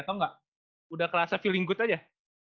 atau nggak udah terasa feeling good aja